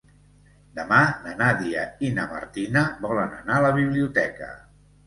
Demà na Nàdia i na Martina volen anar a la biblioteca.